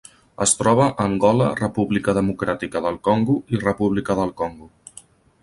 Es troba a Angola, República Democràtica del Congo i República del Congo.